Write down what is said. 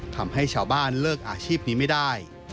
ทำให้ชาวบ้านเลิกอาชีพนี้ไม่ได้